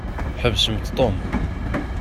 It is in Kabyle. Ḥbsemt Tom.